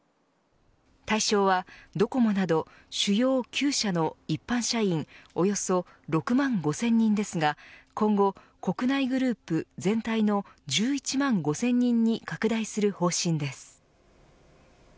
対象は、ドコモなど主要９社の一般社員およそ６万５０００人ですが今後、国内グループ全体の１１万５０００人に拡大する方針です。